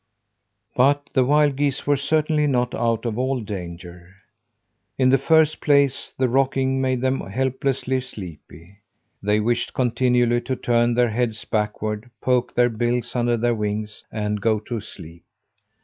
But the wild geese were certainly not out of all danger. In the first place, the rocking made them helplessly sleepy. They wished continually to turn their heads backward, poke their bills under their wings, and go to sleep.